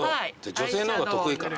女性の方が得意かな。